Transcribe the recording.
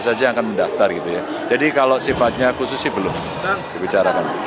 saja akan mendaftar gitu ya jadi kalau sifatnya khusus sih belum bicara banget untuk jatuh satu